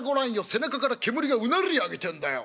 背中から煙がうなり上げてんだよ。